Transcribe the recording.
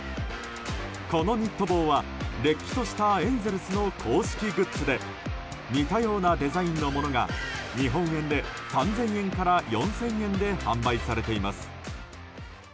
このニット帽はれっきとしたエンゼルスの公式グッズで似たようなデザインのものが日本円で３０００円から４０００円で販売されています。